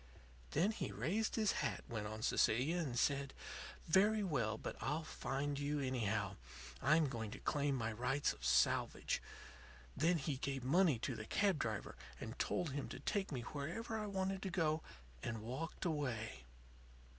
"Then he raised his hat," went on Cecilia, "and said: 'Very well. But I'll find you, anyhow. I'm going to claim my rights of salvage.' Then he gave money to the cab driver and told him to take me where I wanted to go, and walked away.